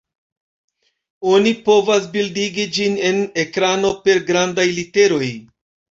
Oni povas bildigi ĝin en ekrano per grandaj literoj.